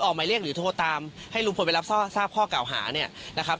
หมายเรียกหรือโทรตามให้ลุงพลไปรับทราบข้อเก่าหาเนี่ยนะครับ